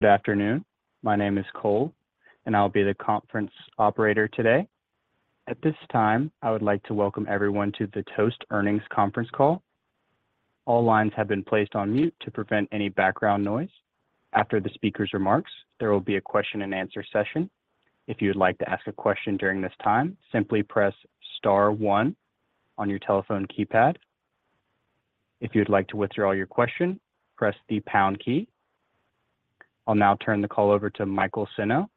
Good afternoon. My name is Cole, and I'll be the conference operator today. At this time, I would like to welcome everyone to the Toast earnings conference call. All lines have been placed on mute to prevent any background noise. After the speaker's remarks, there will be a question and answer session. If you'd like to ask a question during this time, simply press star one on your telephone keypad. If you'd like to withdraw your question, press the pound key. I'll now turn the call over to Michael Senno,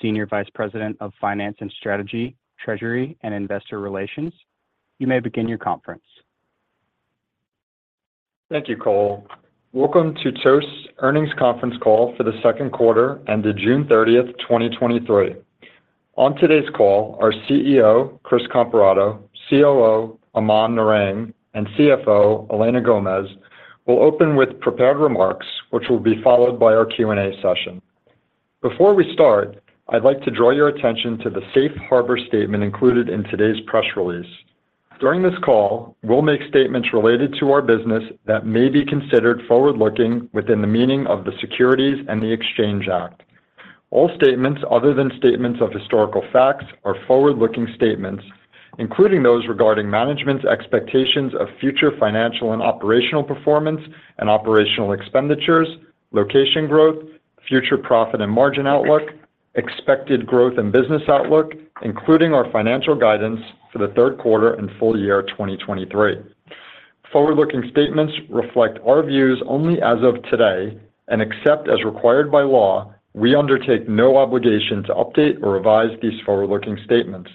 Senior Vice President of Finance and Strategy, Treasury, and Investor Relations. You may begin your conference. Thank you, Cole. Welcome to Toast's earnings conference call for the second quarter ended June 30th, 2023. On today's call, our CEO, Chris Comparato, COO, Aman Narang, and CFO, Elena Gomez, will open with prepared remarks, which will be followed by our Q&A session. Before we start, I'd like to draw your attention to the safe harbor statement included in today's press release. During this call, we'll make statements related to our business that may be considered forward-looking within the meaning of the Securities and the Exchange Act. All statements other than statements of historical facts are forward-looking statements, including those regarding management's expectations of future financial and operational performance and operational expenditures, location growth, future profit and margin outlook, expected growth and business outlook, including our financial guidance for the third quarter and full year 2023. Forward-looking statements reflect our views only as of today, and except as required by law, we undertake no obligation to update or revise these forward-looking statements.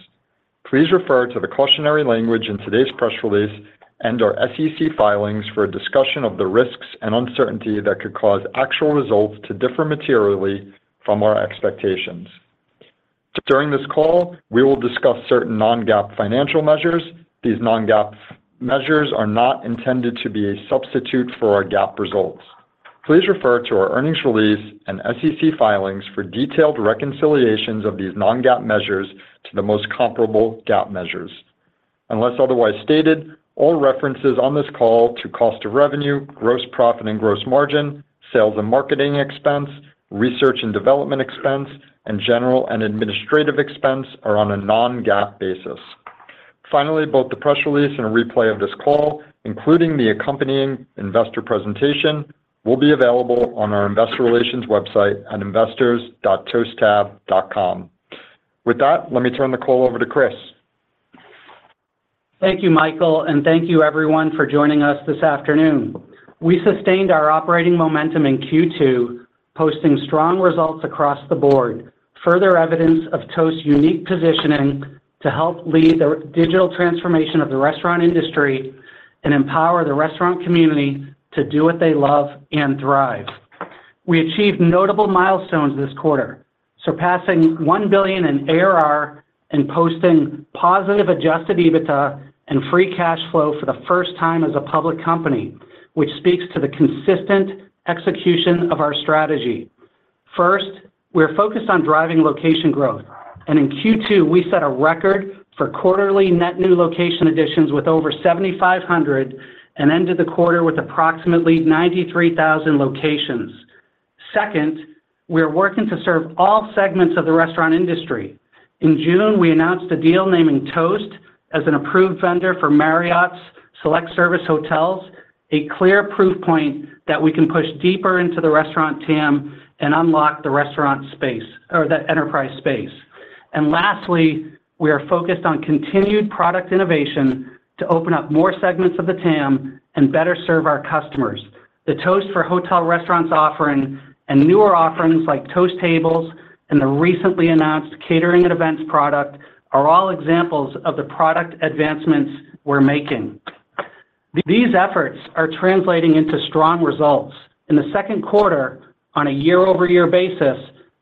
Please refer to the cautionary language in today's press release and our SEC filings for a discussion of the risks and uncertainty that could cause actual results to differ materially from our expectations. During this call, we will discuss certain non-GAAP financial measures. These non-GAAP measures are not intended to be a substitute for our GAAP results. Please refer to our earnings release and SEC filings for detailed reconciliations of these non-GAAP measures to the most comparable GAAP measures. Unless otherwise stated, all references on this call to cost of revenue, gross profit and gross margin, sales and marketing expense, research and development expense, and general and administrative expense are on a non-GAAP basis. Finally, both the press release and a replay of this call, including the accompanying investor presentation, will be available on our investor relations website at investors.toasttab.com. With that, let me turn the call over to Chris. Thank you, Michael, thank you everyone for joining us this afternoon. We sustained our operating momentum in Q2, posting strong results across the board. Further evidence of Toast's unique positioning to help lead the digital transformation of the restaurant industry and empower the restaurant community to do what they love and thrive. We achieved notable milestones this quarter, surpassing $1 billion in ARR and posting positive adjusted EBITDA and free cash flow for the first time as a public company, which speaks to the consistent execution of our strategy. First, we're focused on driving location growth, and in Q2, we set a record for quarterly net new location additions with over 7,500 and ended the quarter with approximately 93,000 locations. Second, we are working to serve all segments of the restaurant industry. In June, we announced a deal naming Toast as an approved vendor for Marriott's select service hotels, a clear proof point that we can push deeper into the restaurant TAM and unlock the restaurant space, or the enterprise space. Lastly, we are focused on continued product innovation to open up more segments of the TAM and better serve our customers. The Toast for Hotel Restaurants offering and newer offerings like Toast Tables and the recently announced Catering and Events product are all examples of the product advancements we're making. These efforts are translating into strong results. In the second quarter, on a year-over-year basis,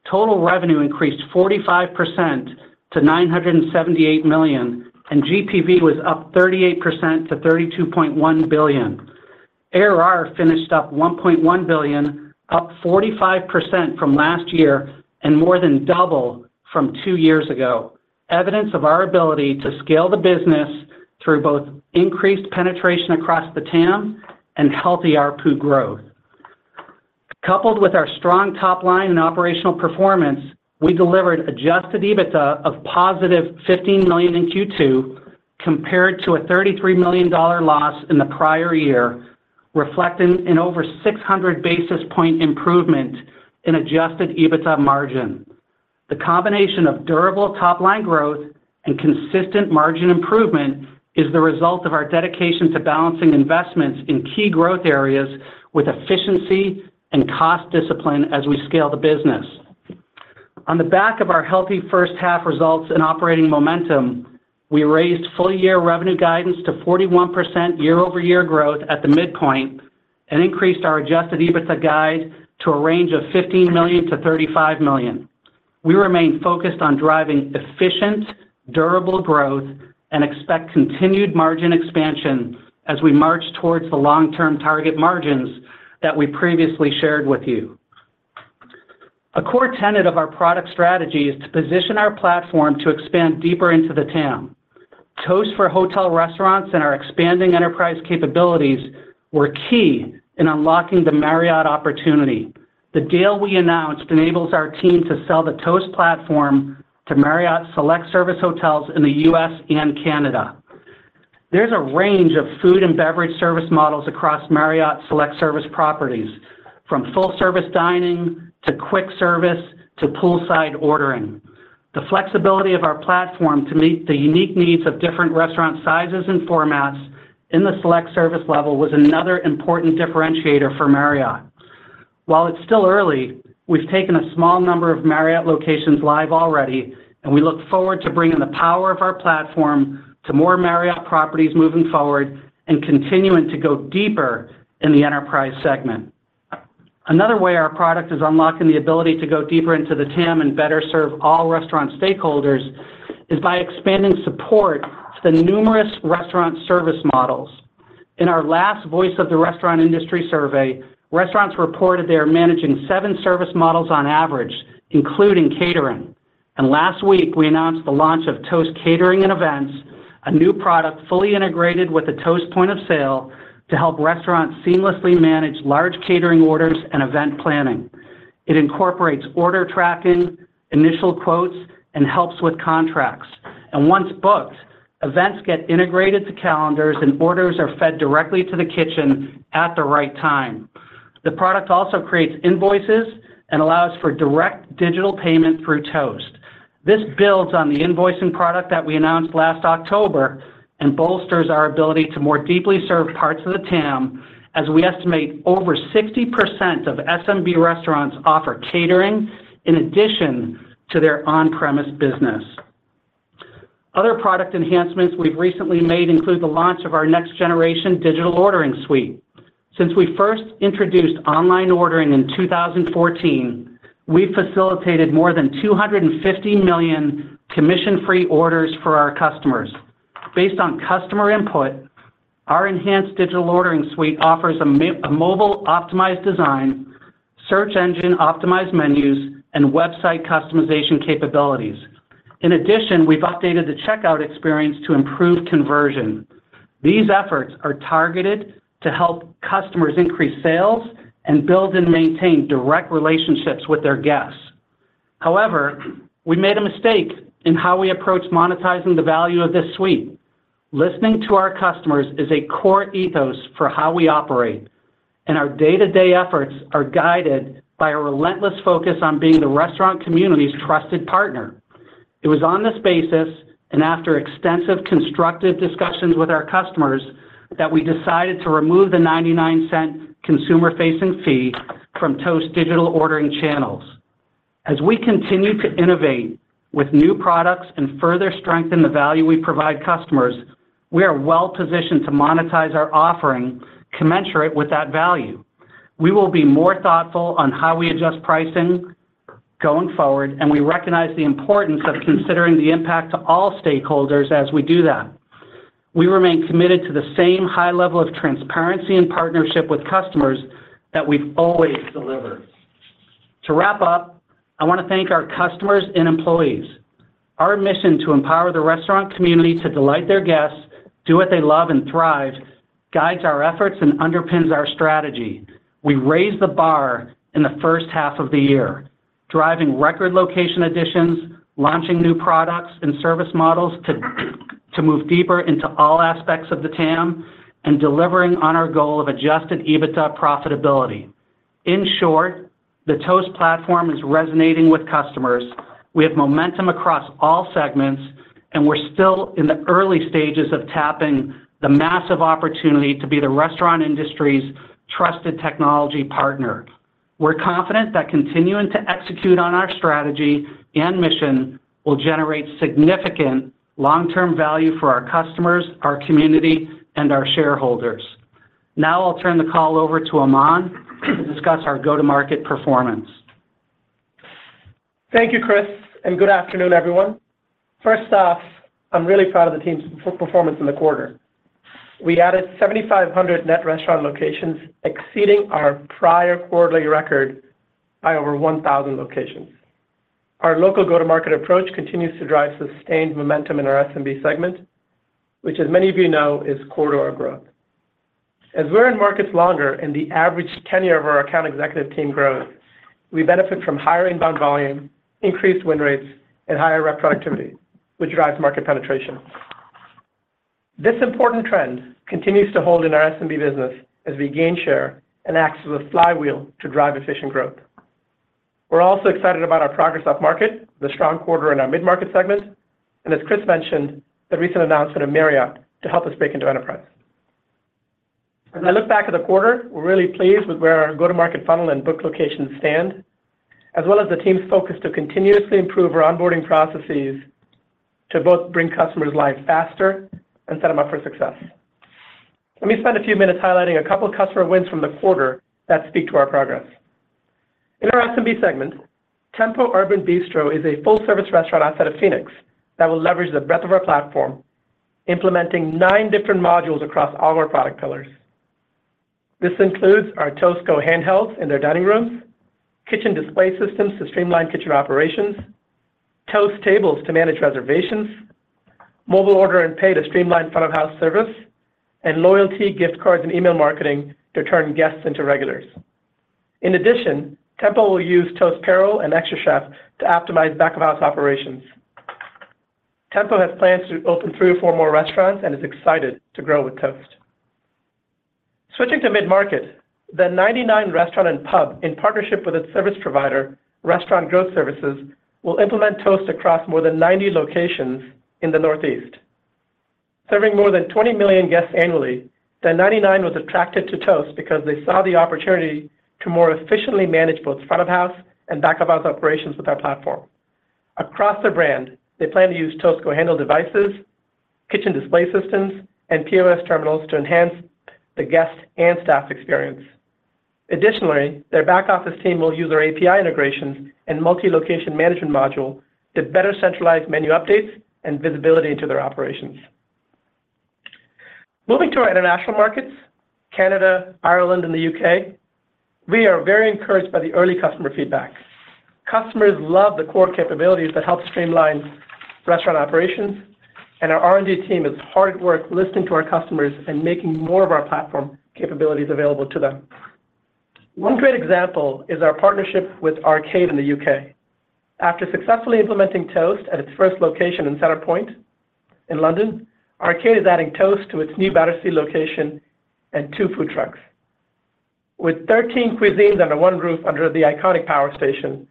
total revenue increased 45% to $978 million, and GPV was up 38% to $32.1 billion. ARR finished up $1.1 billion, up 45% from last year and more than double from two years ago. Evidence of our ability to scale the business through both increased penetration across the TAM and healthy ARPU growth. Coupled with our strong top line and operational performance, we delivered adjusted EBITDA of +$15 million in Q2, compared to a $33 million loss in the prior year, reflecting an over 600 basis point improvement in adjusted EBITDA margin. The combination of durable top-line growth and consistent margin improvement is the result of our dedication to balancing investments in key growth areas with efficiency and cost discipline as we scale the business. On the back of our healthy first half results and operating momentum, we raised full-year revenue guidance to 41% year-over-year growth at the midpoint and increased our adjusted EBITDA guide to a range of $15 million-$35 million. We remain focused on driving efficient, durable growth and expect continued margin expansion as we march towards the long-term target margins that we previously shared with you. A core tenet of our product strategy is to position our platform to expand deeper into the TAM. Toast for Hotel Restaurants and our expanding enterprise capabilities were key in unlocking the Marriott opportunity. The deal we announced enables our team to sell the Toast platform to Marriott select service hotels in the U.S. and Canada. There's a range of food and beverage service models across Marriott select service properties, from full-service dining, to quick service, to poolside ordering. The flexibility of our platform to meet the unique needs of different restaurant sizes and formats in the select service level was another important differentiator for Marriott. While it's still early, we've taken a small number of Marriott locations live already, and we look forward to bringing the power of our platform to more Marriott properties moving forward, and continuing to go deeper in the enterprise segment. Another way our product is unlocking the ability to go deeper into the TAM and better serve all restaurant stakeholders, is by expanding support to the numerous restaurant service models. In our last Voice of the Restaurant Industry survey, restaurants reported they are managing seven service models on average, including catering. Last week, we announced the launch of Toast Catering & Events, a new product fully integrated with the Toast point of sale, to help restaurants seamlessly manage large catering orders and event planning. It incorporates order tracking, initial quotes, and helps with contracts. Once booked, events get integrated to calendars, and orders are fed directly to the kitchen at the right time. The product also creates invoices and allows for direct digital payment through Toast. This builds on the invoicing product that we announced last October, and bolsters our ability to more deeply serve parts of the TAM, as we estimate over 60% of SMB restaurants offer catering in addition to their on-premise business. Other product enhancements we've recently made include the launch of our next generation digital ordering suite. Since we first introduced online ordering in 2014, we've facilitated more than 250 million commission-free orders for our customers. Based on customer input, our enhanced digital ordering suite offers a mobile-optimized design, search engine optimized menus, and website customization capabilities. In addition, we've updated the checkout experience to improve conversion. These efforts are targeted to help customers increase sales and build and maintain direct relationships with their guests. However, we made a mistake in how we approached monetizing the value of this suite. Listening to our customers is a core ethos for how we operate, and our day-to-day efforts are guided by a relentless focus on being the restaurant community's trusted partner. It was on this basis, and after extensive constructive discussions with our customers, that we decided to remove the $0.99 consumer-facing fee from Toast digital ordering channels. As we continue to innovate with new products and further strengthen the value we provide customers, we are well-positioned to monetize our offering commensurate with that value. We will be more thoughtful on how we adjust pricing going forward, and we recognize the importance of considering the impact to all stakeholders as we do that. We remain committed to the same high level of transparency and partnership with customers that we've always delivered. To wrap up, I want to thank our customers and employees. Our mission to empower the restaurant community to delight their guests, do what they love, and thrive, guides our efforts and underpins our strategy. We raised the bar in the first half of the year, driving record location additions, launching new products and service models to move deeper into all aspects of the TAM, and delivering on our goal of adjusted EBITDA profitability. In short, the Toast platform is resonating with customers. We have momentum across all segments, and we're still in the early stages of tapping the massive opportunity to be the restaurant industry's trusted technology partner. We're confident that continuing to execute on our strategy and mission will generate significant long-term value for our customers, our community, and our shareholders. Now I'll turn the call over to Aman, to discuss our go-to-market performance. Thank you, Chris. Good afternoon, everyone. First off, I'm really proud of the team's performance in the quarter. We added 7,500 net restaurant locations, exceeding our prior quarterly record by over 1,000 locations. Our local go-to-market approach continues to drive sustained momentum in our SMB segment, which as many of you know, is core to our growth. As we're in markets longer and the average tenure of our account executive team grows, we benefit from higher inbound volume, increased win rates, and higher rep productivity, which drives market penetration. This important trend continues to hold in our SMB business as we gain share and acts as a flywheel to drive efficient growth. We're also excited about our progress off market, the strong quarter in our mid-market segment, and as Chris mentioned, the recent announcement of Marriott to help us break into enterprise. As I look back at the quarter, we're really pleased with where our go-to-market funnel and book locations stand, as well as the team's focus to continuously improve our onboarding processes to both bring customers live faster and set them up for success. Let me spend a few minutes highlighting a couple of customer wins from the quarter that speak to our progress. In our SMB segment, Tempo Urban Bistro is a full-service restaurant outside of Phoenix, that will leverage the breadth of our platform, implementing nine different modules across all our product pillars. This includes our Toast Go handhelds in their dining rooms, kitchen display systems to streamline kitchen operations, Toast Tables to manage reservations, mobile order and pay to streamline front-of-house service, and loyalty gift cards and email marketing to turn guests into regulars. In addition, Tempo will use Toast Payroll and xtraCHEF to optimize back-of-house operations. Tempo has plans to open three or four more restaurants and is excited to grow with Toast. Switching to mid-market, the Ninety Nine Restaurant & Pub, in partnership with its service provider, Restaurant Growth Services, will implement Toast across more than 90 locations in the Northeast. Serving more than 20 million guests annually, the Ninety Nine was attracted to Toast because they saw the opportunity to more efficiently manage both front-of-house and back-of-house operations with our platform. Across the brand, they plan to use Toast Go handle devices, kitchen display systems, and POS terminals to enhance the guest and staff experience. Additionally, their back-office team will use our API integrations and multi-location management module to better centralize menu updates and visibility into their operations. Moving to our international markets, Canada, Ireland, and the U.K., we are very encouraged by the early customer feedback. Customers love the core capabilities that help streamline restaurant operations. Our R&D team is hard at work listening to our customers and making more of our platform capabilities available to them. One great example is our partnership with Arcade in the U.K. After successfully implementing Toast at its first location in Centre Point in London, Arcade is adding Toast to its new Battersea location and two food trucks. With 13 cuisines under one roof under the iconic power station,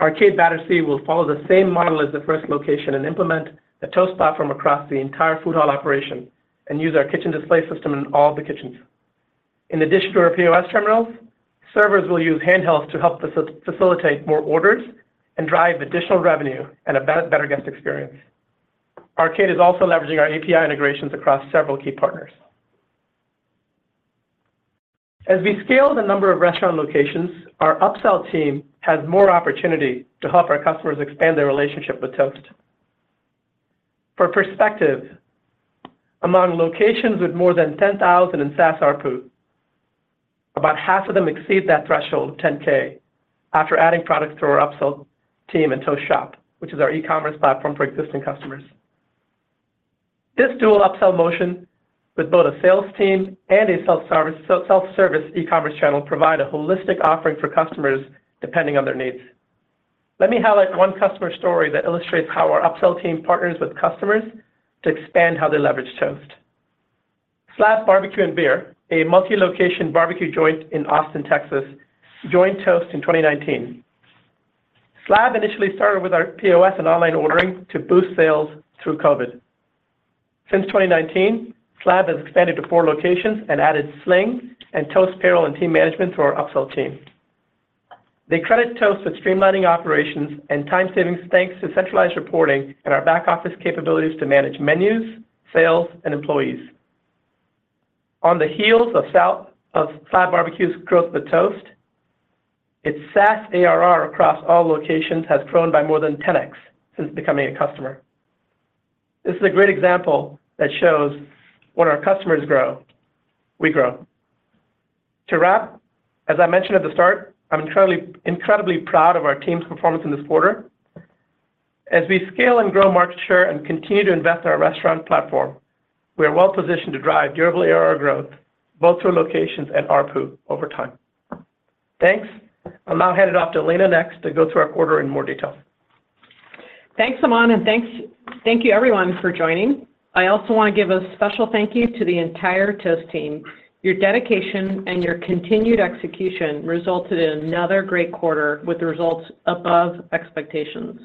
Arcade Battersea will follow the same model as the first location and implement the Toast platform across the entire food hall operation and use our kitchen display system in all the kitchens. In addition to our POS terminals, servers will use handhelds to help facilitate more orders and drive additional revenue and a better guest experience. Arcade is also leveraging our API integrations across several key partners. As we scale the number of restaurant locations, our upsell team has more opportunity to help our customers expand their relationship with Toast. For perspective, among locations with more than 10,000 in SaaS ARPU, about half of them exceed that threshold of $10K after adding products to our upsell team and Toast Shop, which is our e-commerce platform for existing customers. This dual upsell motion with both a sales team and a self-service e-commerce channel provide a holistic offering for customers depending on their needs. Let me highlight one customer story that illustrates how our upsell team partners with customers to expand how they leverage Toast. Slab Barbecue and Beer, a multi-location barbecue joint in Austin, Texas, joined Toast in 2019. Slab initially started with our POS and online ordering to boost sales through COVID. Since 2019, Slab has expanded to four locations and added Sling and Toast Payroll and Team Management through our upsell team. They credit Toast with streamlining operations and time savings, thanks to centralized reporting and our back-office capabilities to manage menus, sales, and employees. On the heels of of Slab Barbecue's growth with Toast, its SaaS ARR across all locations has grown by more than 10x since becoming a customer. This is a great example that shows when our customers grow, we grow. To wrap, as I mentioned at the start, I'm incredibly, incredibly proud of our team's performance in this quarter. As we scale and grow market share and continue to invest in our restaurant platform, we are well positioned to drive durable ARR growth, both through locations and ARPU over time. Thanks. I'll now hand it off to Elena next to go through our quarter in more detail. Thanks, Aman, and thank you everyone for joining. I also want to give a special thank you to the entire Toast team. Your dedication and your continued execution resulted in another great quarter with results above expectations.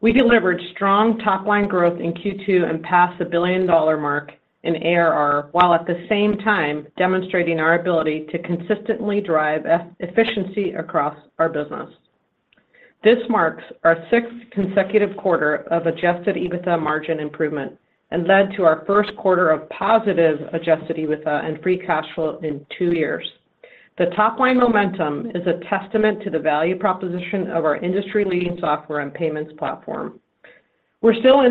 We delivered strong top-line growth in Q2 and passed the 1 billion-dollar mark in ARR, while at the same time demonstrating our ability to consistently drive efficiency across our business. This marks our sixth consecutive quarter of adjusted EBITDA margin improvement and led to our first quarter of positive adjusted EBITDA and free cash flow in two years. The top-line momentum is a testament to the value proposition of our industry-leading software and payments platform. We're still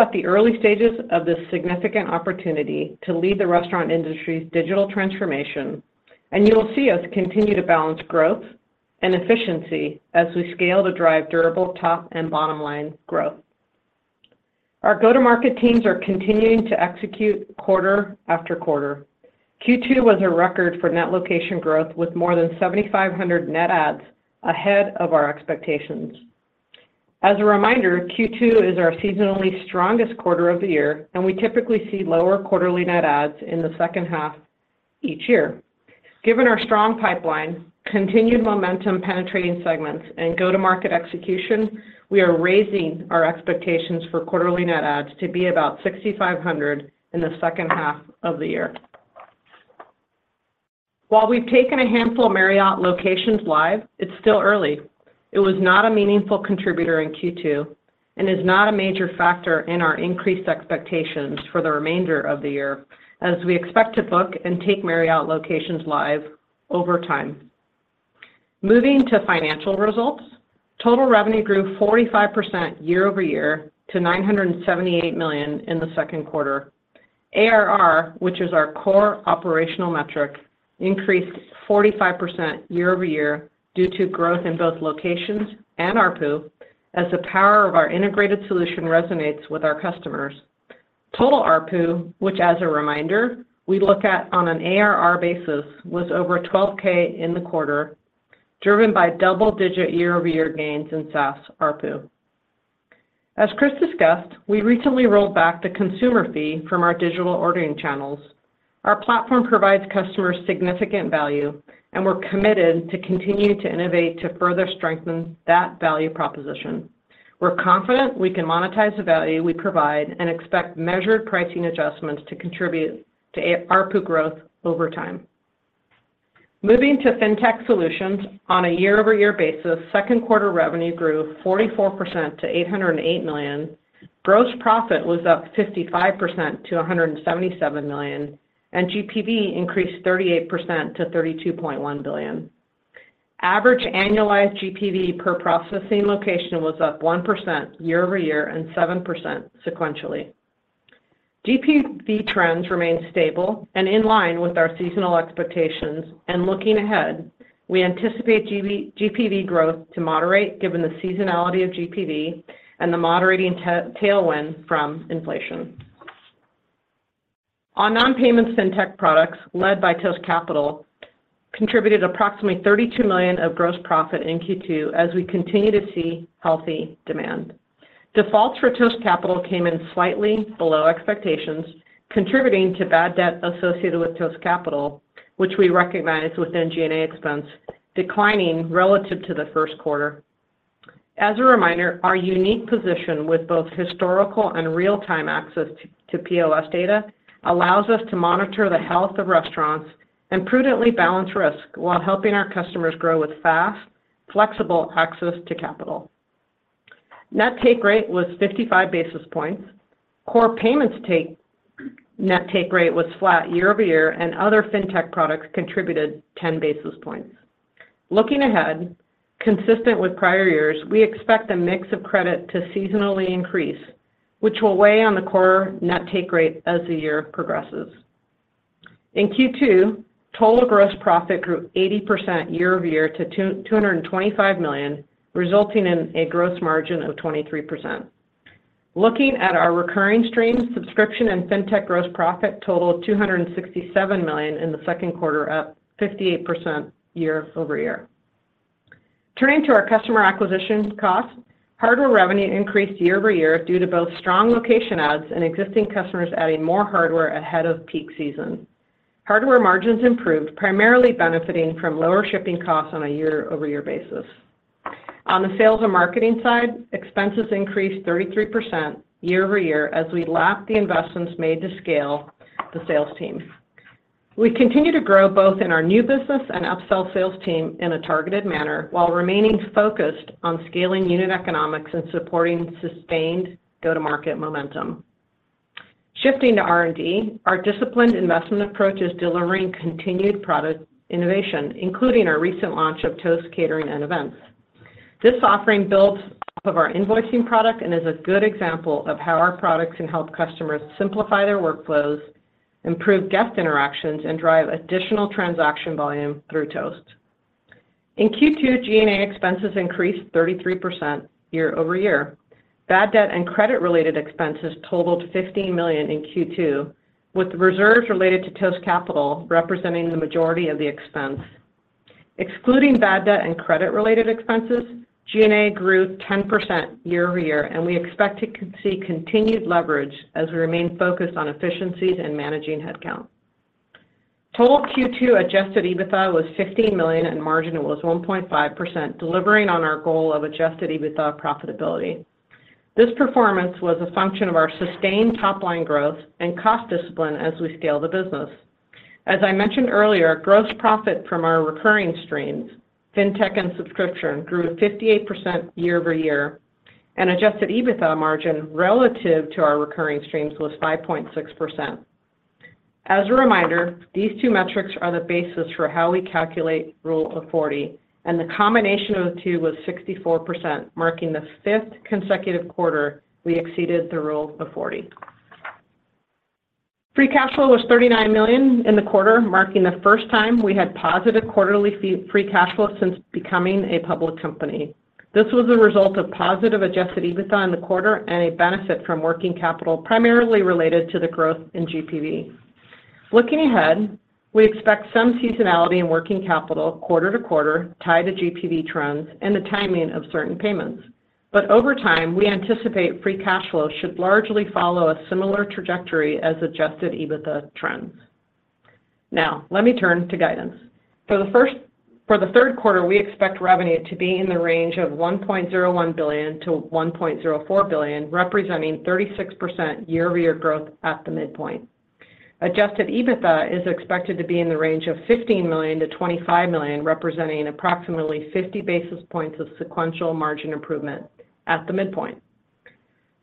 at the early stages of this significant opportunity to lead the restaurant industry's digital transformation. You will see us continue to balance growth and efficiency as we scale to drive durable top and bottom line growth. Our go-to-market teams are continuing to execute quarter after quarter. Q2 was a record for net location growth, with more than 7,500 net adds ahead of our expectations. As a reminder, Q2 is our seasonally strongest quarter of the year. We typically see lower quarterly net adds in the second half each year. Given our strong pipeline, continued momentum penetrating segments, and go-to-market execution, we are raising our expectations for quarterly net adds to be about 6,500 in the second half of the year. While we've taken a handful of Marriott locations live, it's still early. It was not a meaningful contributor in Q2 and is not a major factor in our increased expectations for the remainder of the year, as we expect to book and take Marriott locations live over time. Moving to financial results. Total revenue grew 45% year-over-year to $978 million in the second quarter. ARR, which is our core operational metric, increased 45% year-over-year due to growth in both locations and ARPU, as the power of our integrated solution resonates with our customers. Total ARPU, which, as a reminder, we look at on an ARR basis, was over $12K in the quarter, driven by double-digit year-over-year gains in SaaS ARPU. As Chris discussed, we recently rolled back the consumer fee from our digital ordering channels. Our platform provides customers significant value, and we're committed to continuing to innovate to further strengthen that value proposition. We're confident we can monetize the value we provide and expect measured pricing adjustments to contribute to ARPU growth over time. Moving to fintech solutions, on a year-over-year basis, second quarter revenue grew 44% to $808 million. Gross profit was up 55% to $177 million, and GPV increased 38% to $32.1 billion. Average annualized GPV per processing location was up 1% year-over-year and 7% sequentially. GPV trends remain stable and in line with our seasonal expectations, and looking ahead, we anticipate GPV growth to moderate, given the seasonality of GPV and the moderating tailwind from inflation. On non-payments fintech products, led by Toast Capital, contributed approximately $32 million of gross profit in Q2 as we continue to see healthy demand. Defaults for Toast Capital came in slightly below expectations, contributing to bad debt associated with Toast Capital, which we recognized within G&A expense, declining relative to the first quarter. As a reminder, our unique position with both historical and real-time access to POS data allows us to monitor the health of restaurants and prudently balance risk while helping our customers grow with fast, flexible access to capital. Net take rate was 55 basis points. Core payments net take rate was flat year-over-year, and other fintech products contributed 10 basis points. Looking ahead, consistent with prior years, we expect the mix of credit to seasonally increase, which will weigh on the core net take rate as the year progresses. In Q2, total gross profit grew 80% year-over-year to $225 million, resulting in a gross margin of 23%. Looking at our recurring streams, subscription and fintech gross profit totaled $267 million in the second quarter, up 58% year-over-year. Turning to our customer acquisition costs, hardware revenue increased year-over-year due to both strong location adds and existing customers adding more hardware ahead of peak season. Hardware margins improved, primarily benefiting from lower shipping costs on a year-over-year basis. On the sales and marketing side, expenses increased 33% year-over-year as we lapped the investments made to scale the sales team. We continue to grow both in our new business and upsell sales team in a targeted manner, while remaining focused on scaling unit economics and supporting sustained go-to-market momentum. Shifting to R&D, our disciplined investment approach is delivering continued product innovation, including our recent launch of Toast Catering & Events. This offering builds off of our invoicing product and is a good example of how our products can help customers simplify their workflows, improve guest interactions, and drive additional transaction volume through Toast. In Q2, G&A expenses increased 33% year-over-year. Bad debt and credit-related expenses totaled $15 million in Q2, with reserves related to Toast Capital representing the majority of the expense. Excluding bad debt and credit-related expenses, G&A grew 10% year-over-year, and we expect to see continued leverage as we remain focused on efficiencies and managing headcount. Total Q2 adjusted EBITDA was $15 million, and margin was 1.5%, delivering on our goal of adjusted EBITDA profitability. This performance was a function of our sustained top-line growth and cost discipline as we scale the business. As I mentioned earlier, gross profit from our recurring streams, fintech and subscription, grew 58% year-over-year, and adjusted EBITDA margin relative to our recurring streams was 5.6%. As a reminder, these two metrics are the basis for how we calculate Rule of 40, and the combination of the two was 64%, marking the fifth consecutive quarter we exceeded the Rule of 40. Free cash flow was $39 million in the quarter, marking the first time we had positive quarterly free cash flow since becoming a public company. This was a result of positive adjusted EBITDA in the quarter and a benefit from working capital, primarily related to the growth in GPV. Looking ahead, we expect some seasonality in working capital quarter-to-quarter, tied to GPV trends and the timing of certain payments. Over time, we anticipate free cash flow should largely follow a similar trajectory as adjusted EBITDA trends. Now, let me turn to guidance. For the third quarter, we expect revenue to be in the range of $1.01 billion-$1.04 billion, representing 36% year-over-year growth at the midpoint. Adjusted EBITDA is expected to be in the range of $15 million-$25 million, representing approximately 50 basis points of sequential margin improvement at the midpoint.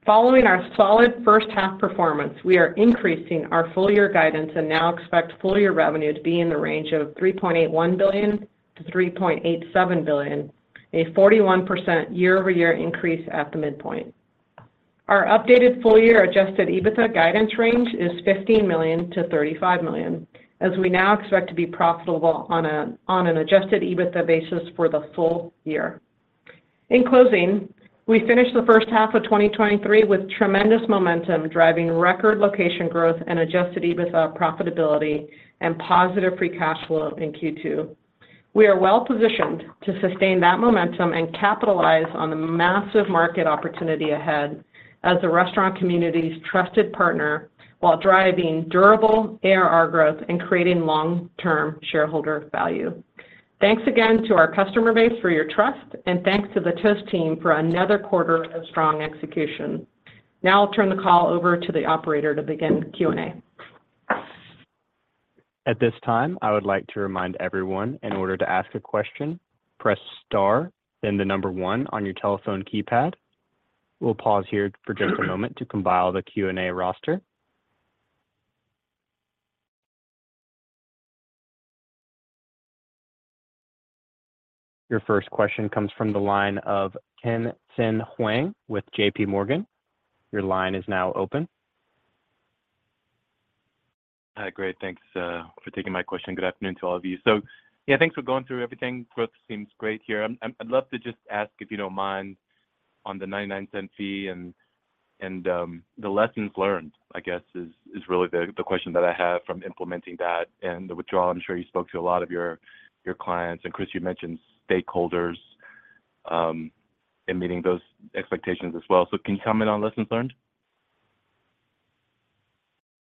Following our solid first half performance, we are increasing our full year guidance and now expect full year revenue to be in the range of $3.81 billion-$3.87 billion, a 41% year-over-year increase at the midpoint. Our updated full year adjusted EBITDA guidance range is $15 million-$35 million, as we now expect to be profitable on an adjusted EBITDA basis for the full year. In closing, we finished the first half of 2023 with tremendous momentum, driving record location growth and adjusted EBITDA profitability and positive free cash flow in Q2. We are well positioned to sustain that momentum and capitalize on the massive market opportunity ahead as the restaurant community's trusted partner, while driving durable ARR growth and creating long-term shareholder value. Thanks again to our customer base for your trust, and thanks to the Toast team for another quarter of strong execution. Now I'll turn the call over to the operator to begin the Q&A. At this time, I would like to remind everyone, in order to ask a question, press star, then the number one on your telephone keypad. We'll pause here for just a moment to compile the Q&A roster. Your first question comes from the line of Tien-Tsin Huang with JP Morgan. Your line is now open. Hi, great. Thanks for taking my question. Good afternoon to all of you. Yeah, thanks for going through everything. Growth seems great here. I'd love to just ask, if you don't mind, on the $0.99 fee and, and the lessons learned, I guess, is, is really the, the question that I have from implementing that and the withdrawal. I'm sure you spoke to a lot of your, your clients, and Chris, you mentioned stakeholders, and meeting those expectations as well. Can you comment on lessons learned?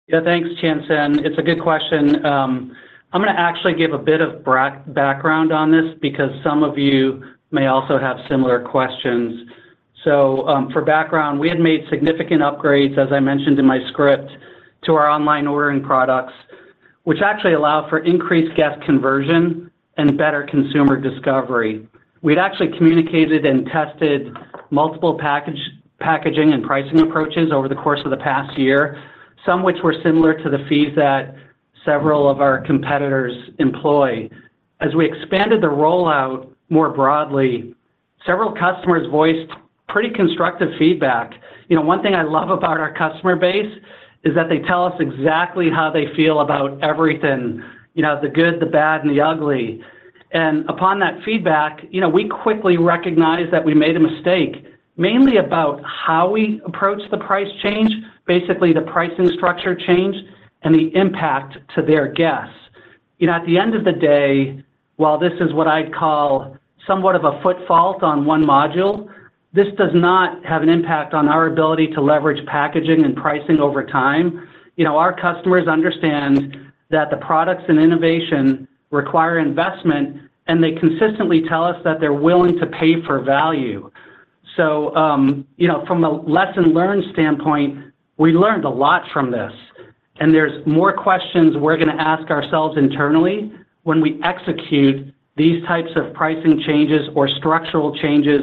Yeah, thanks, Tien-Tsin. It's a good question. I'm going to actually give a bit of background on this because some of you may also have similar questions. For background, we had made significant upgrades, as I mentioned in my script, to our online ordering products, which actually allowed for increased guest conversion and better consumer discovery. We'd actually communicated and tested multiple packaging and pricing approaches over the course of the past year, some which were similar to the fees that several of our competitors employ. As we expanded the rollout more broadly, several customers voiced pretty constructive feedback. You know, one thing I love about our customer base is that they tell us exactly how they feel about everything, you know, the good, the bad, and the ugly. Upon that feedback, you know, we quickly recognized that we made a mistake, mainly about how we approached the price change, basically the pricing structure change and the impact to their guests. You know, at the end of the day, while this is what I'd call somewhat of a foot fault on one module, this does not have an impact on our ability to leverage packaging and pricing over time. You know, our customers understand that the products and innovation require investment, and they consistently tell us that they're willing to pay for value. From a lesson learned standpoint, you know, we learned a lot from this, and there's more questions we're going to ask ourselves internally when we execute these types of pricing changes or structural changes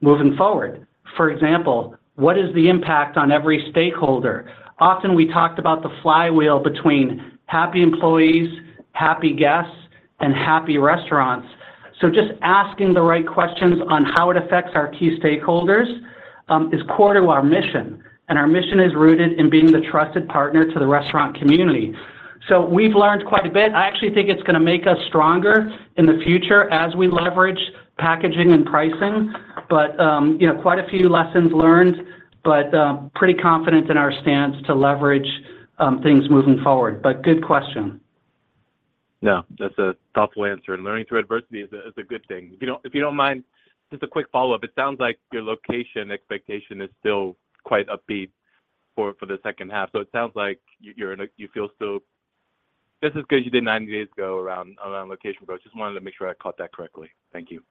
moving forward. For example, what is the impact on every stakeholder? Often we talked about the flywheel between happy employees, happy guests, and happy restaurants. Just asking the right questions on how it affects our key stakeholders is core to our mission, and our mission is rooted in being the trusted partner to the restaurant community. We've learned quite a bit. I actually think it's going to make us stronger in the future as we leverage packaging and pricing, but, you know, quite a few lessons learned, but pretty confident in our stance to leverage things moving forward. Good question. Yeah, that's a thoughtful answer, and learning through adversity is a, is a good thing. If you don't, if you don't mind, just a quick follow-up. It sounds like your location expectation is still quite upbeat for, for the second half. It sounds like you're in a, you feel still this is good, you did 90 days ago around, around location growth. Just wanted to make sure I caught that correctly. Thank you.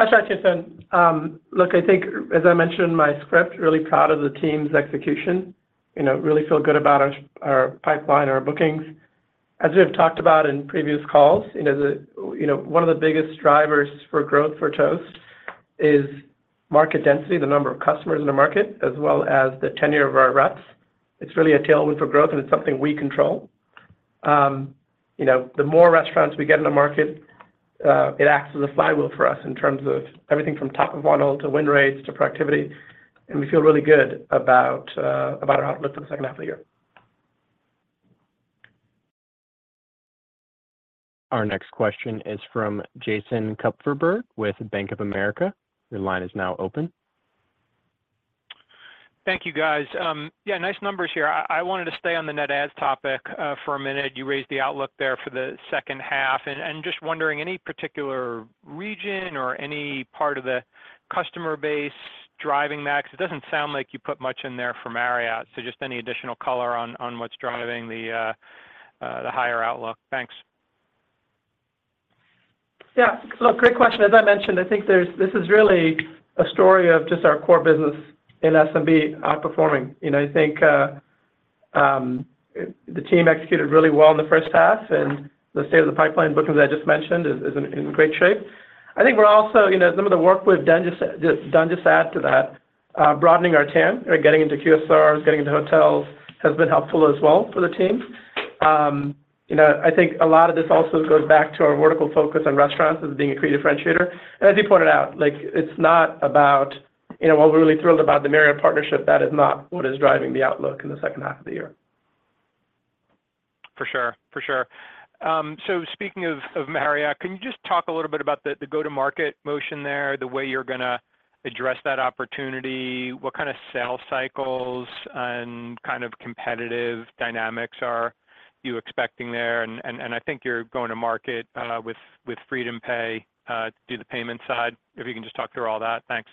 That's right, Tien-Tsin. Look, I think as I mentioned in my script, really proud of the team's execution. You know, really feel good about our, our pipeline, our bookings. As we have talked about in previous calls, you know, the, you know, one of the biggest drivers for growth for Toast is market density, the number of customers in the market, as well as the tenure of our reps. It's really a tailwind for growth, and it's something we control. You know, the more restaurants we get in the market, it acts as a flywheel for us in terms of everything from top of funnel, to win rates, to productivity, and we feel really good about, about our outlook for the second half of the year. Our next question is from Jason Kupferberg with Bank of America. Your line is now open. Thank you, guys. Yeah, nice numbers here. I, I wanted to stay on the net adds topic for a minute. You raised the outlook there for the second half, and just wondering, any particular region or any part of the customer base driving that? Because it doesn't sound like you put much in there from Marriott, just any additional color on what's driving the higher outlook. Thanks. Yeah. Look, great question. As I mentioned, I think this is really a story of just our core business in SMB outperforming. You know, I think the team executed really well in the first half, and the state of the pipeline bookings I just mentioned is, is in, in great shape. I think we're also, you know, some of the work we've done just add to that, broadening our TAM or getting into QSRs, getting into hotels, has been helpful as well for the team. You know, I think a lot of this also goes back to our vertical focus on restaurants as being a key differentiator. As you pointed out, like, it's not about, you know, while we're really thrilled about the Marriott partnership, that is not what is driving the outlook in the second half of the year. For sure. For sure. Speaking of, of Marriott, can you just talk a little bit about the, the go-to-market motion there, the way you're gonna address that opportunity? What kind of sales cycles and kind of competitive dynamics are you expecting there? I think you're going to market with, with FreedomPay through the payment side. If you can just talk through all that. Thanks.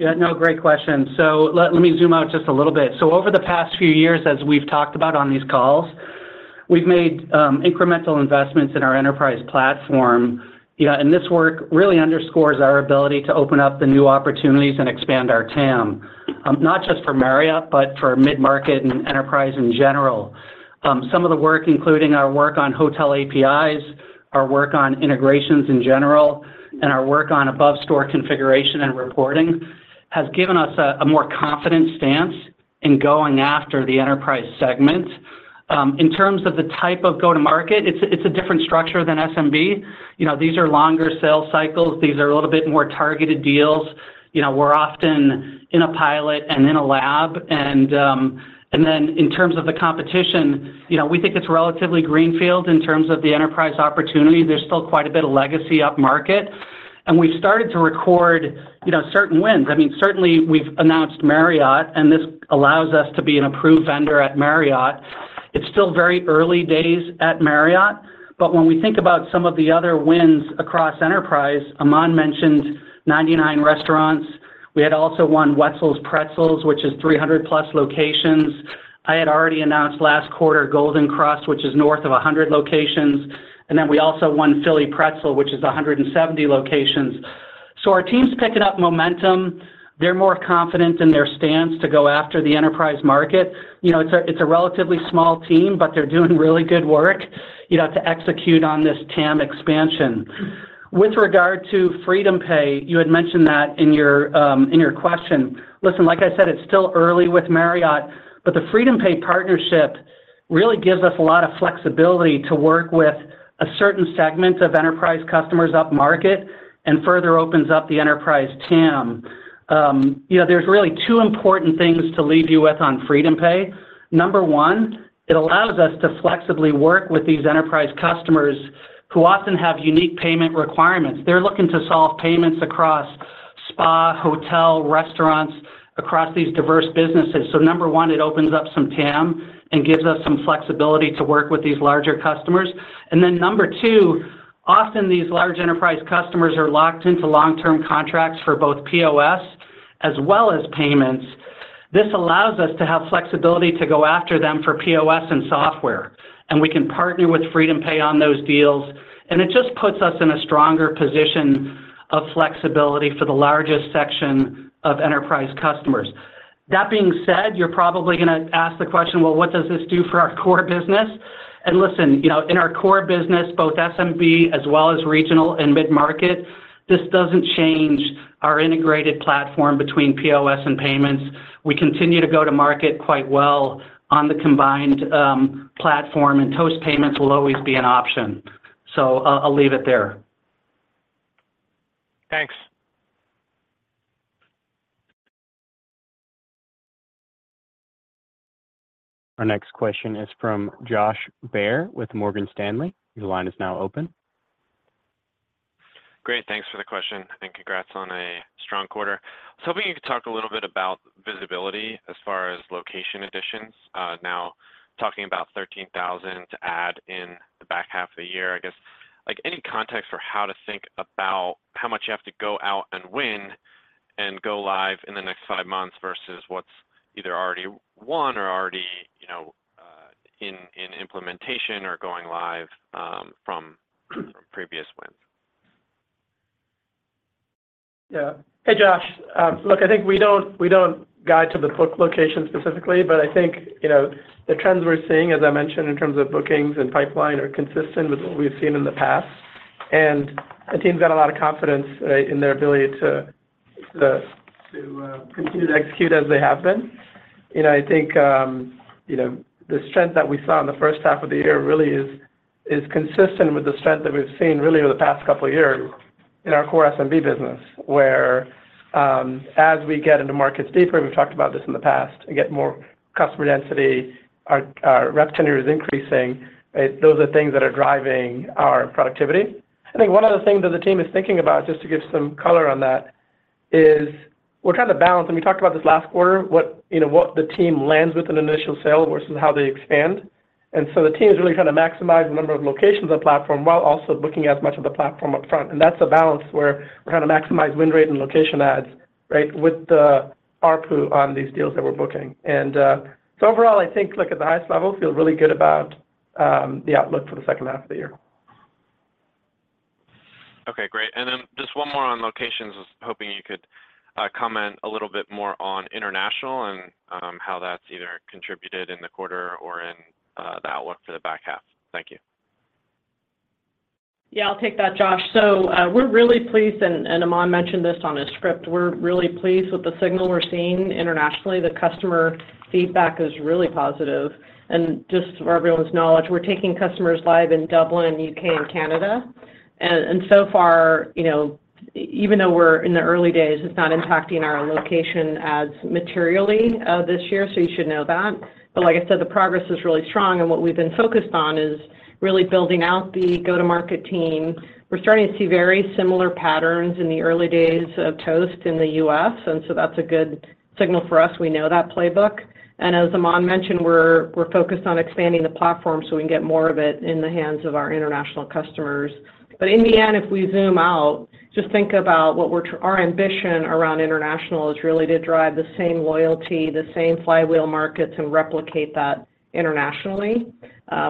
Sure. Yeah, no, great question. Let me zoom out just a little bit. Over the past few years, as we've talked about on these calls, we've made incremental investments in our enterprise platform. This work really underscores our ability to open up the new opportunities and expand our TAM, not just for Marriott, but for mid-market and enterprise in general. Some of the work, including our work on hotel APIs, our work on integrations in general, and our work on above store configuration and reporting, has given us a more confident stance in going after the enterprise segment. In terms of the type of go-to-market, it's a different structure than SMB. You know, these are longer sales cycles. These are a little bit more targeted deals. You know, we're often in a pilot and in a lab. In terms of the competition, you know, we think it's relatively greenfield in terms of the enterprise opportunity. There's still quite a bit of legacy upmarket, and we've started to record, you know, certain wins. I mean, certainly we've announced Marriott, and this allows us to be an approved vendor at Marriott. It's still very early days at Marriott, but when we think about some of the other wins across enterprise, Aman mentioned Ninety-nine Restaurants. We had also won Wetzel's Pretzels, which is 300+ locations. I had already announced last quarter Golden Krust, which is north of 100 locations, and then we also won Philly Pretzel, which is 170 locations. Our team's picking up momentum. They're more confident in their stance to go after the enterprise market. You know, it's a, it's a relatively small team, but they're doing really good work, you know, to execute on this TAM expansion. With regard to FreedomPay, you had mentioned that in your question. Listen, like I said, it's still early with Marriott, but the FreedomPay partnership really gives us a lot of flexibility to work with a certain segment of enterprise customers upmarket and further opens up the enterprise TAM. You know, there's really two important things to leave you with on FreedomPay. Number one, it allows us to flexibly work with these enterprise customers who often have unique payment requirements. They're looking to solve payments across spa, hotel, restaurants, across these diverse businesses. Number one, it opens up some TAM and gives us some flexibility to work with these larger customers. Number two, often these large enterprise customers are locked into long-term contracts for both POS as well as payments. This allows us to have flexibility to go after them for POS and software, and we can partner with FreedomPay on those deals, and it just puts us in a stronger position of flexibility for the largest section of enterprise customers. That being said, you're probably gonna ask the question: Well, what does this do for our core business? Listen, you know, in our core business, both SMB as well as regional and mid-market, this doesn't change our integrated platform between POS and payments. We continue to go to market quite well on the combined platform, and Toast payments will always be an option. I'll, I'll leave it there. Thanks. Our next question is from Josh Baer with Morgan Stanley. Your line is now open. Great, thanks for the question. Congrats on a strong quarter. I was hoping you could talk a little bit about visibility as far as location additions. Now, talking about 13,000 to add in the back half of the year, I guess, like any context for how to think about how much you have to go out and win, and go live in the next five months versus what's either already won or already, you know, in, in implementation or going live, from, from previous wins? Yeah. Hey, Josh. Look, I think we don't, we don't guide to the book location specifically, but I think, you know, the trends we're seeing, as I mentioned, in terms of bookings and pipeline, are consistent with what we've seen in the past. And the team's got a lot of confidence, in their ability to, to, to, continue to execute as they have been. You know, I think, you know, the strength that we saw in the first half of the year really is, is consistent with the strength that we've seen really over the past couple of years in our core SMB business, where, as we get into markets deeper, we've talked about this in the past, and get more customer density, our, our rep tenure is increasing. Those are things that are driving our productivity. I think one of the things that the team is thinking about, just to give some color on that, is we're trying to balance, and we talked about this last quarter, what, you know, what the team lands with an initial sale versus how they expand. So the team is really trying to maximize the number of locations on the platform, while also booking as much of the platform up front. That's a balance where we're trying to maximize win rate and location adds, right, with the ARPU on these deals that we're booking. So overall, I think, like at the highest level, feel really good about the outlook for the second half of the year. Okay, great. Then just one more on locations. I was hoping you could comment a little bit more on international and how that's either contributed in the quarter or in the outlook for the back half. Thank you. Yeah, I'll take that, Josh. We're really pleased, and, and Aman mentioned this on his script, we're really pleased with the signal we're seeing internationally. The customer feedback is really positive, and just for everyone's knowledge, we're taking customers live in Dublin, U.K., and Canada. And so far, you know, even though we're in the early days, it's not impacting our location as materially this year, so you should know that. Like I said, the progress is really strong, and what we've been focused on is really building out the go-to-market team. We're starting to see very similar patterns in the early days of Toast in the U.S., and so that's a good signal for us. We know that playbook. As Aman mentioned, we're, we're focused on expanding the platform so we can get more of it in the hands of our international customers. In the end, if we zoom out, just think about what we're our ambition around international is really to drive the same loyalty, the same flywheel markets, and replicate that internationally,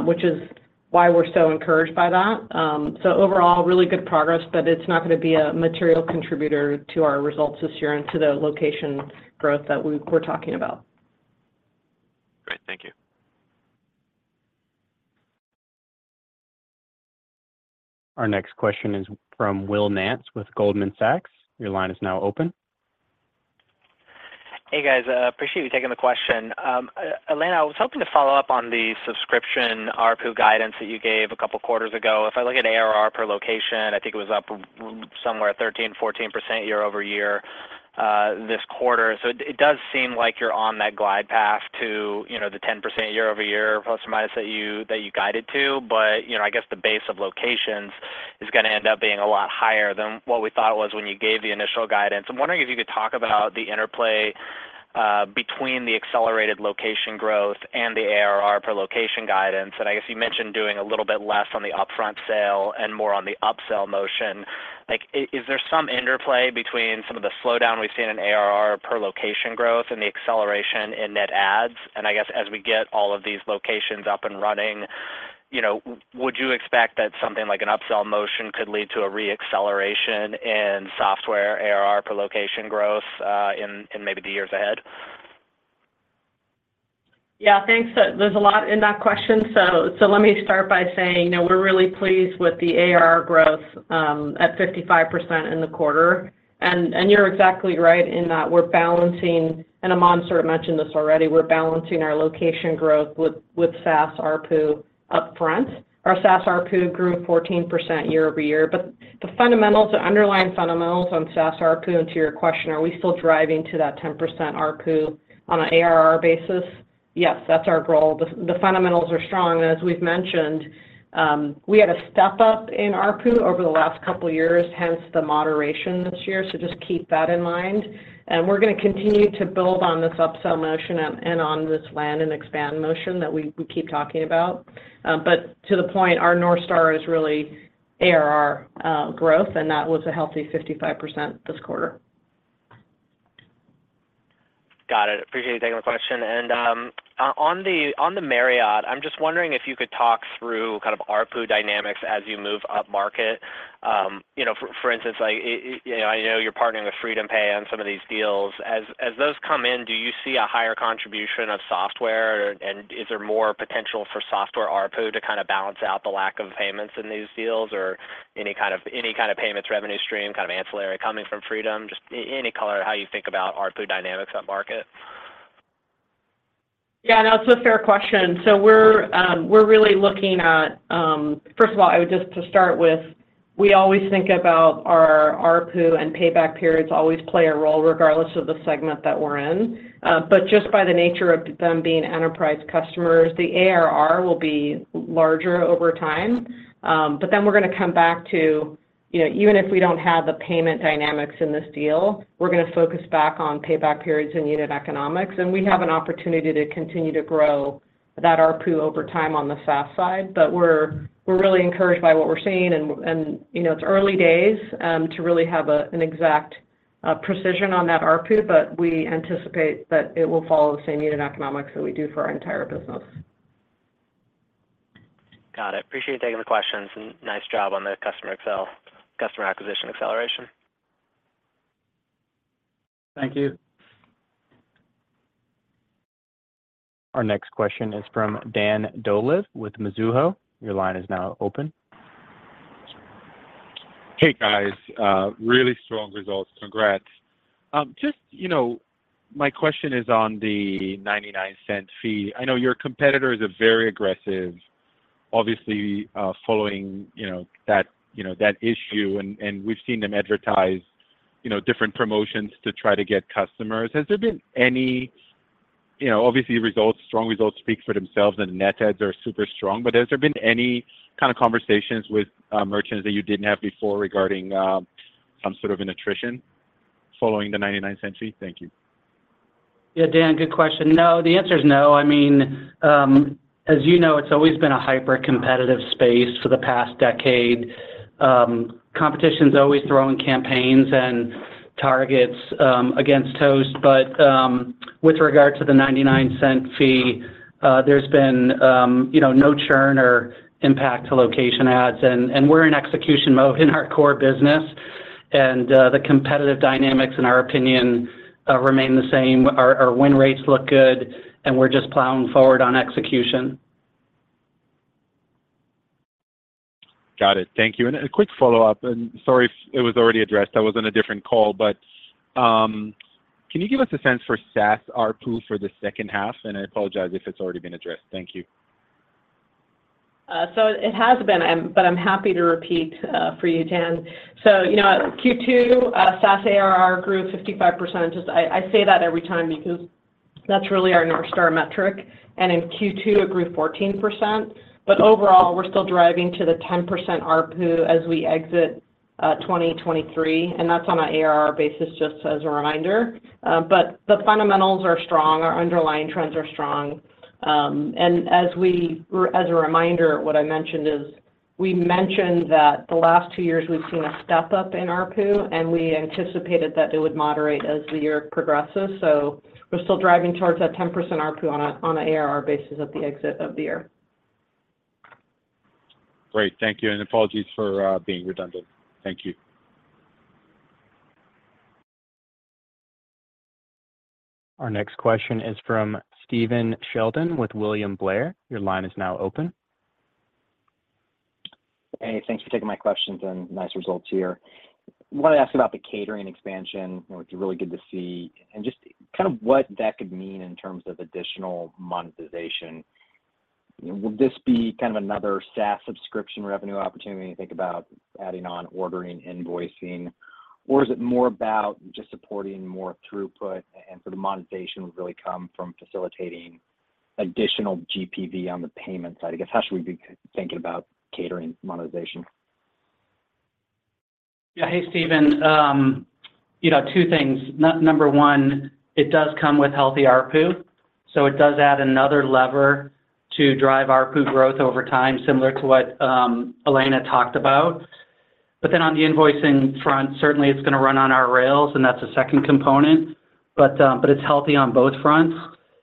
which is why we're so encouraged by that. Overall, really good progress, but it's not gonna be a material contributor to our results this year and to the location growth that we're talking about. Great. Thank you. Our next question is from Will Nance with Goldman Sachs. Your line is now open. Hey, guys, appreciate you taking the question. Elena, I was hoping to follow up on the subscription ARPU guidance that you gave a couple of quarters ago. If I look at ARR per location, I think it was up somewhere 13%-14% year-over-year this quarter. It, it does seem like you're on that glide path to, you know, the 10% year-over-year, plus or minus, that you, that you guided to. You know, I guess the base of locations is gonna end up being a lot higher than what we thought it was when you gave the initial guidance. I'm wondering if you could talk about the interplay between the accelerated location growth and the ARR per location guidance. I guess you mentioned doing a little bit less on the upfront sale and more on the upsell motion. Like, is there some interplay between some of the slowdown we've seen in ARR per location growth and the acceleration in net adds? I guess as we get all of these locations up and running, you know, would you expect that something like an upsell motion could lead to a re-acceleration in software ARR per location growth, in, in maybe the years ahead? Yeah, thanks. There's a lot in that question. Let me start by saying, you know, we're really pleased with the ARR growth at 55% in the quarter. You're exactly right in that we're balancing, and Aman sort of mentioned this already, we're balancing our location growth with, with SaaS ARPU upfront. Our SaaS ARPU grew 14% year-over-year, the fundamentals, the underlying fundamentals on SaaS ARPU, and to your question, are we still driving to that 10% ARPU on an ARR basis? Yes, that's our goal. The fundamentals are strong, as we've mentioned, we had a step up in ARPU over the last couple of years, hence the moderation this year. Just keep that in mind. We're gonna continue to build on this upsell motion and, and on this land and expand motion that we, we keep talking about. To the point, our north star is really ARR growth, and that was a healthy 55% this quarter. Got it. Appreciate you taking the question. On the Marriott, I'm just wondering if you could talk through kind of ARPU dynamics as you move upmarket. You know, for instance, like, you know, I know you're partnering with FreedomPay on some of these deals. As those come in, do you see a higher contribution of software? And is there more potential for software ARPU to kind of balance out the lack of payments in these deals or any kind of payments revenue stream, kind of ancillary coming from Freedom? Just any color how you think about ARPU dynamics upmarket. Yeah, no, it's a fair question. We're really looking at. First of all, I would just to start with, we always think about our ARPU, and payback periods always play a role, regardless of the segment that we're in. Just by the nature of them being enterprise customers, the ARR will be larger over time. Then we're gonna come back to, you know, even if we don't have the payment dynamics in this deal, we're gonna focus back on payback periods and unit economics, and we have an opportunity to continue to grow that ARPU over time on the SaaS side. We're, we're really encouraged by what we're seeing, and, and, you know, it's early days, to really have an exact precision on that ARPU, but we anticipate that it will follow the same unit economics that we do for our entire business. Got it. Appreciate you taking the questions, and nice job on the customer acquisition acceleration. Thank you. Our next question is from Dan Dolev with Mizuho. Your line is now open. Hey, guys, really strong results. Congrats. Just, you know, my question is on the $0.99 fee. I know your competitors are very aggressive, obviously, following, you know, that, you know, that issue, and we've seen them advertise, you know, different promotions to try to get customers. You know, obviously, results, strong results speak for themselves, and the net adds are super strong. Has there been any kind of conversations with merchants that you didn't have before regarding some sort of an attrition following the $0.99 fee? Thank you. Yeah, Dan, good question. No, the answer is no. I mean, as you know, it's always been a hyper-competitive space for the past decade. Competition's always throwing campaigns, and targets, against Toast. With regard to the $0.99 fee, there's been, you know, no churn or impact to location ads. We're in execution mode in our core business, the competitive dynamics, in our opinion, remain the same. Our, our win rates look good, and we're just plowing forward on execution. Got it. Thank you. A quick follow-up, and sorry if it was already addressed, I was on a different call, but, can you give us a sense for SaaS ARPU for the second half? I apologize if it's already been addressed. Thank you. It has been, but I'm happy to repeat for you, Dan. You know, Q2, SaaS ARR grew 55%. Just I, I say that every time because that's really our North Star metric, and in Q2, it grew 14%. Overall, we're still driving to the 10% ARPU as we exit 2023, and that's on an ARR basis, just as a reminder. The fundamentals are strong, our underlying trends are strong. And as a reminder, what I mentioned is, we mentioned that the last two years we've seen a step-up in ARPU, and we anticipated that it would moderate as the year progresses. We're still driving towards that 10% ARPU on an ARR basis at the exit of the year. Great. Thank you, and apologies for being redundant. Thank you. Our next question is from Stephen Sheldon with William Blair. Your line is now open. Hey, thanks for taking my questions and nice results here. I want to ask about the catering expansion, which is really good to see, and just kind of what that could mean in terms of additional monetization. Would this be kind of another SaaS subscription revenue opportunity to think about adding on ordering, invoicing? Or is it more about just supporting more throughput, and so the monetization would really come from facilitating additional GPV on the payment side? I guess, how should we be thinking about catering monetization? Yeah. Hey, Stephen, you know, two things. Number one, it does come with healthy ARPU, so it does add another lever to drive ARPU growth over time, similar to what Elena talked about. Then on the invoicing front, certainly it's going to run on our rails, and that's a second component, but it's healthy on both fronts.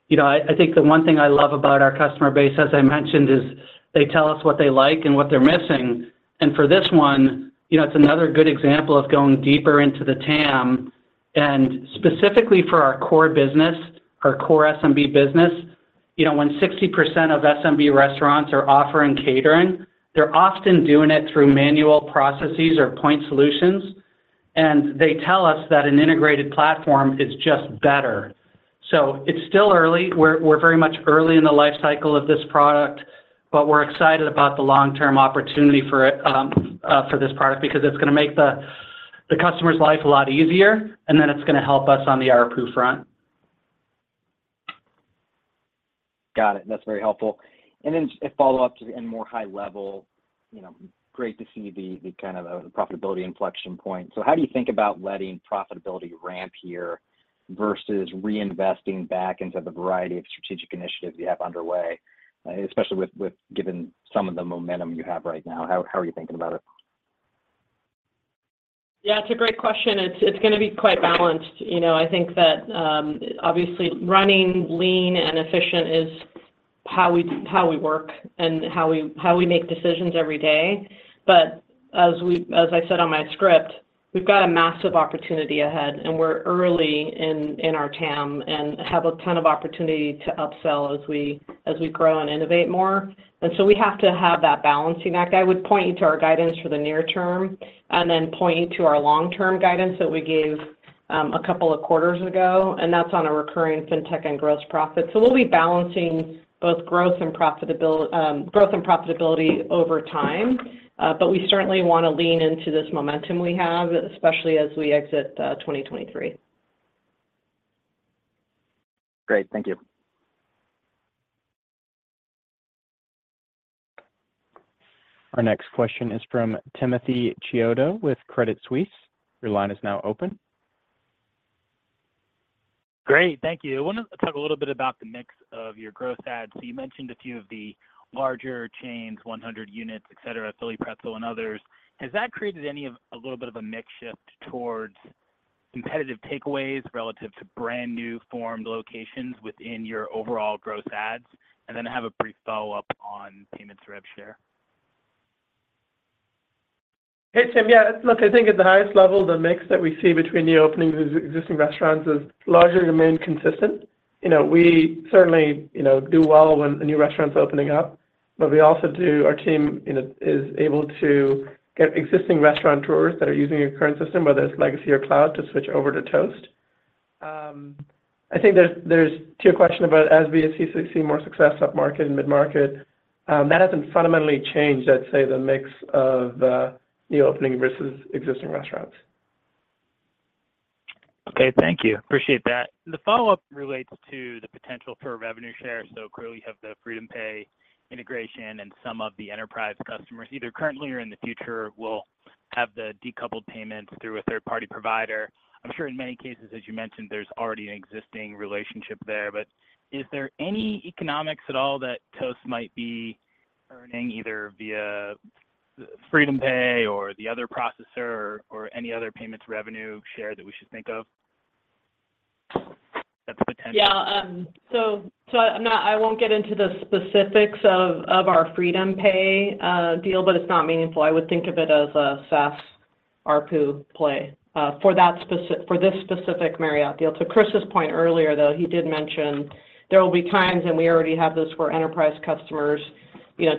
You know, I, I think the one thing I love about our customer base, as I mentioned, is they tell us what they like and what they're missing. For this one, you know, it's another good example of going deeper into the TAM, and specifically for our core business, our core SMB business. You know, when 60% of SMB restaurants are offering catering, they're often doing it through manual processes or point solutions, and they tell us that an integrated platform is just better. It's still early. We're, we're very much early in the life cycle of this product, but we're excited about the long-term opportunity for this product, because it's going to make the, the customer's life a lot easier, and then it's going to help us on the ARPU front. Got it. That's very helpful. Then a follow-up to the end, more high level, you know, great to see the, the kind of profitability inflection point. How do you think about letting profitability ramp here versus reinvesting back into the variety of strategic initiatives you have underway, especially with given some of the momentum you have right now? How are you thinking about it? Yeah, it's a great question. It's, it's going to be quite balanced. You know, I think that, obviously, running lean and efficient is how we, how we work and how we, how we make decisions every day. As I said on my script, we've got a massive opportunity ahead, and we're early in, in our TAM and have a ton of opportunity to upsell as we, as we grow and innovate more. We have to have that balancing act. I would point you to our guidance for the near term and then point you to our long-term guidance that we gave a couple of quarters ago, and that's on a recurring fintech and gross profit. We'll be balancing both growth and profitability, growth and profitability over time, but we certainly want to lean into this momentum we have, especially as we exit, 2023. Great. Thank you. Our next question is from Timothy Chiodo with Credit Suisse. Your line is now open. Great. Thank you. I want to talk a little bit about the mix of your growth ads. You mentioned a few of the larger chains, 100 units, et cetera, Philly Pretzel and others. Has that created a little bit of a mix shift towards competitive takeaways relative to brand new formed locations within your overall growth ads? I have a brief follow-up on payments rev share. Hey, Tim. Yeah, look, I think at the highest level, the mix that we see between new openings and existing restaurants is largely remained consistent. You know, we certainly, you know, do well when a new restaurant's opening up, but we also our team, you know, is able to get existing restaurateurs that are using a current system, whether it's legacy or cloud, to switch over to Toast. I think there's To your question about as we see more success upmarket and mid-market, that hasn't fundamentally changed, I'd say, the mix of new opening versus existing restaurants. Okay. Thank you. Appreciate that. The follow-up relates to the potential for revenue share. Clearly, you have the FreedomPay integration, and some of the enterprise customers, either currently or in the future, will have the decoupled payments through a third-party provider. I'm sure in many cases, as you mentioned, there's already an existing relationship there, but is there any economics at all that Toast earning either via FreedomPay or the other processor or any other payments revenue share that we should think of? Yeah, I won't get into the specifics of our FreedomPay deal, but it's not meaningful. I would think of it as a SaaS ARPU play for that specific for this specific Marriott deal. To Chris's point earlier, though, he did mention there will be times, and we already have this, where enterprise customers, you know,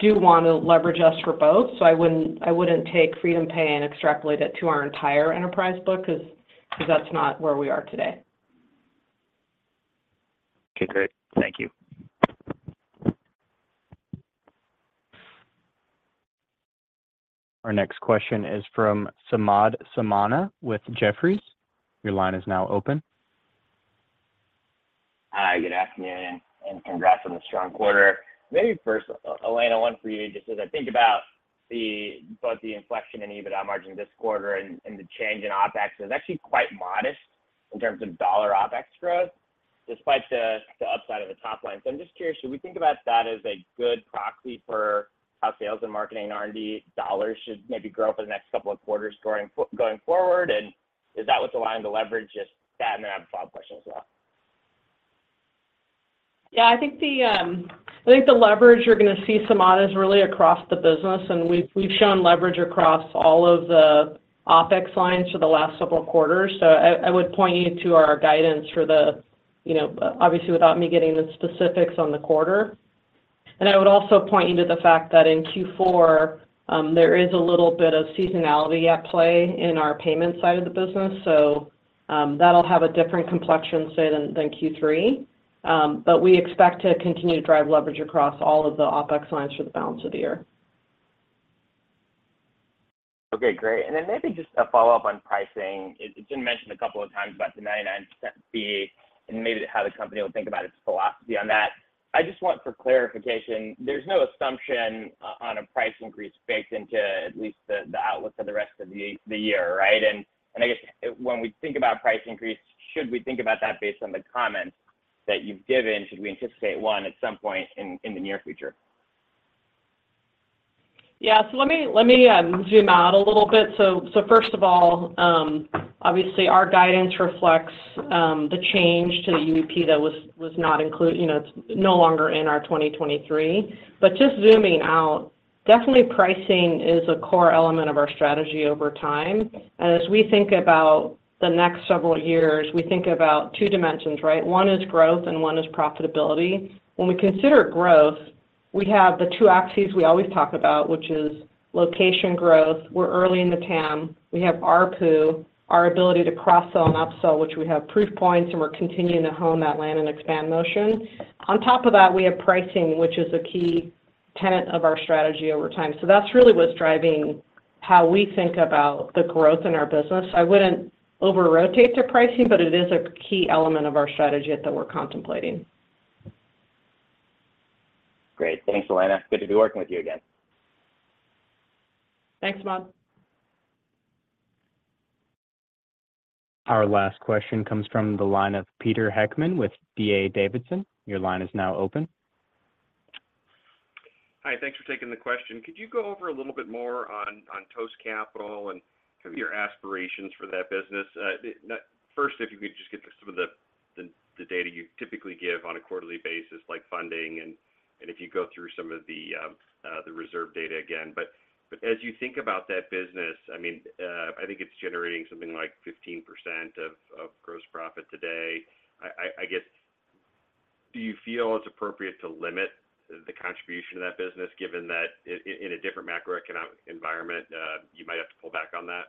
do want to leverage us for both. I wouldn't, I wouldn't take FreedomPay and extrapolate it to our entire enterprise book, 'cause that's not where we are today. Okay, great. Thank you. Our next question is from Samad Samana with Jefferies. Your line is now open. Hi, good afternoon, and congrats on the strong quarter. Maybe first, Elena, one for you. Just as I think about both the inflection in EBITDA margin this quarter and the change in OpEx is actually quite modest in terms of dollar OpEx growth, despite the upside of the top line. I'm just curious, should we think about that as a good proxy for how sales and marketing R&D dollars should maybe grow for the next couple of quarters going forward? Is that what's aligned to leverage? Just that, and then I have a follow-up question as well. Yeah, I think the, I think the leverage you're going to see, Samad, is really across the business, and we've, we've shown leverage across all of the OpEx lines for the last several quarters. I, I would point you to our guidance for the. You know, obviously, without me getting the specifics on the quarter. I would also point you to the fact that in Q4, there is a little bit of seasonality at play in our payment side of the business, so, that'll have a different complexion, say, than, than Q3. We expect to continue to drive leverage across all of the OpEx lines for the balance of the year. Okay, great. Then maybe just a follow-up on pricing. It's been mentioned a couple of times about the $0.99 fee and maybe how the company will think about its philosophy on that. I just want for clarification, there's no assumption on a price increase baked into at least the outlook for the rest of the year, right? I guess when we think about price increase, should we think about that based on the comments that you've given? Should we anticipate one at some point in the near future? Yeah. Let me, let me zoom out a little bit. First of all, obviously, our guidance reflects the change to the UEP that was not included. You know, it's no longer in our 2023. Just zooming out, definitely pricing is a core element of our strategy over time. As we think about the next several years, we think about two dimensions, right? One is growth, and one is profitability. When we consider growth, we have the two axes we always talk about, which is location growth, we're early in the TAM, we have ARPU, our ability to cross-sell and upsell, which we have proof points, and we're continuing to hone that land-and-expand motion. On top of that, we have pricing, which is a key tenet of our strategy over time. That's really what's driving how we think about the growth in our business. I wouldn't over-rotate to pricing, but it is a key element of our strategy that we're contemplating. Great. Thanks, Elena. Good to be working with you again. Thanks, Samad. Our last question comes from the line of Peter Heckmann with D.A. Davidson. Your line is now open. Hi, thanks for taking the question. Could you go over a little bit more on Toast Capital and kind of your aspirations for that business? First, if you could just get to some of the data you typically give on a quarterly basis, like funding and if you go through some of the reserve data again. As you think about that business, I mean, I think it's generating something like 15% of gross profit today. I guess, do you feel it's appropriate to limit the contribution to that business, given that in a different macroeconomic environment, you might have to pull back on that?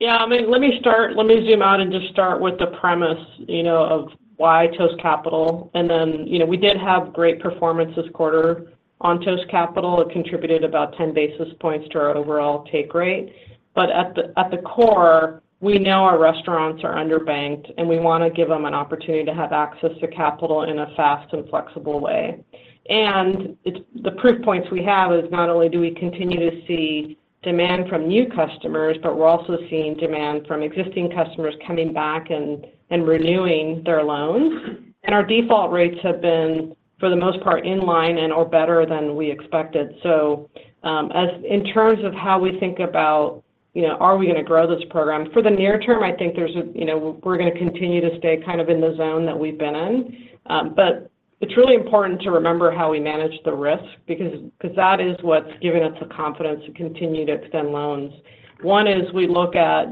Yeah, I mean, let me zoom out and just start with the premise, you know, of why Toast Capital. Then, you know, we did have great performance this quarter on Toast Capital. It contributed about 10 basis points to our overall take rate. At the, at the core, we know our restaurants are underbanked, and we want to give them an opportunity to have access to capital in a fast and flexible way. It's the proof points we have is not only do we continue to see demand from new customers, but we're also seeing demand from existing customers coming back and, and renewing their loans. Our default rates have been, for the most part, in line and/or better than we expected. As in terms of how we think about, you know, are we going to grow this program? For the near term, I think there's, you know, we're going to continue to stay kind of in the zone that we've been in. It's really important to remember how we manage the risk, because that is what's giving us the confidence to continue to extend loans. One is we look at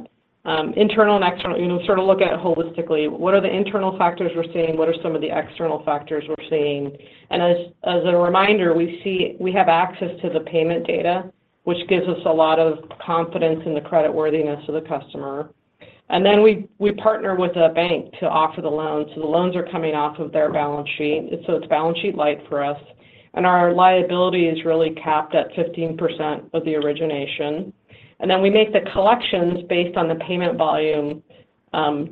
internal and external, you know, sort of look at it holistically. What are the internal factors we're seeing? What are some of the external factors we're seeing? As a reminder, we have access to the payment data, which gives us a lot of confidence in the creditworthiness of the customer. We partner with a bank to offer the loans, so the loans are coming off of their balance sheet, so it's balance sheet light for us. Our liability is really capped at 15% of the origination. Then we make the collections based on the payment volume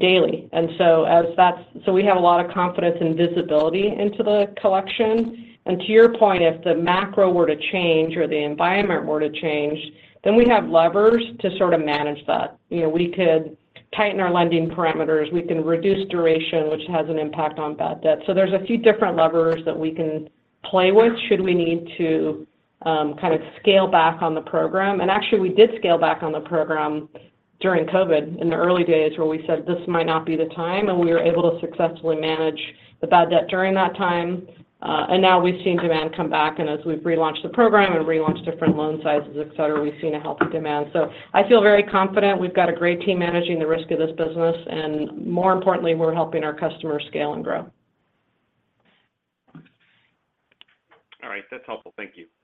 daily. So we have a lot of confidence and visibility into the collection. To your point, if the macro were to change or the environment were to change, then we have levers to sort of manage that. You know, we could tighten our lending parameters, we can reduce duration, which has an impact on bad debt. There's a few different levers that we can play with should we need to, kind of scale back on the program. Actually, we did scale back on the program during COVID in the early days, where we said, "This might not be the time," and we were able to successfully manage the bad debt during that time. Now we've seen demand come back, and as we've relaunched the program and relaunched different loan sizes, et cetera, we've seen a healthy demand. I feel very confident. We've got a great team managing the risk of this business, and more importantly, we're helping our customers scale and grow. All right. That's helpful. Thank you.